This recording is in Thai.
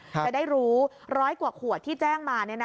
จะได้รู้ร้อยกว่าขวดที่แจ้งมา